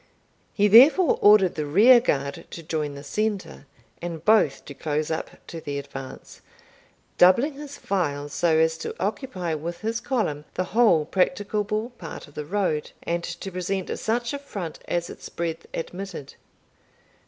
He therefore ordered the rearguard to join the centre, and both to close up to the advance, doubling his files so as to occupy with his column the whole practicable part of the road, and to present such a front as its breadth admitted.